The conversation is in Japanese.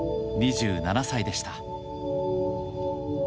２７歳でした。